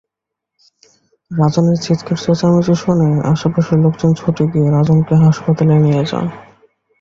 রাজনের চিৎকার-চেঁচামেচি শুনে আশপাশের লোকজন ছুটে গিয়ে রাজনকে হাসপাতালে নিয়ে যান।